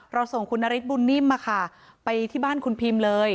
ส่งคุณนฤทธบุญนิ่มไปที่บ้านคุณพิมเลย